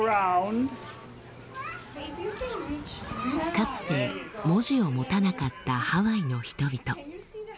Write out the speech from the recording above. かつて文字を持たなかったハワイの人々。